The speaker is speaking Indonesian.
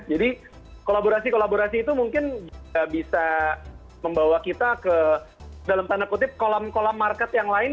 jadi kolaborasi kolaborasi itu mungkin bisa membawa kita ke dalam tanda kutip kolam kolam market yang lain